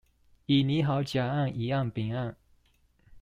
已擬好甲案乙案丙案